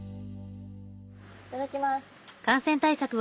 いただきます。